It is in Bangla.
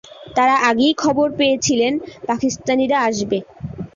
তারা আগেই খবর পেয়েছিলেন পাকিস্তানিরা আসবে।